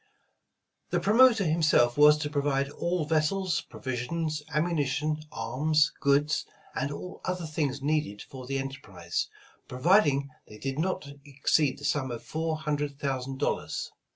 The promoter himself was to provide all vessels, pro visions, ammunition, arms, goods, and all other things needed for the enterprise, providing they did not ex ceed the sum of four hundred thousand dollars.